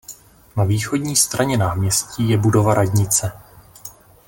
Na východní straně náměstí je budova radnice.